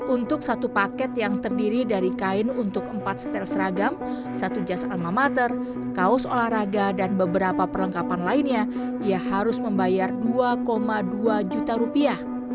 untuk satu paket yang terdiri dari kain untuk empat setel seragam satu jas almamater kaos olahraga dan beberapa perlengkapan lainnya ia harus membayar dua dua juta rupiah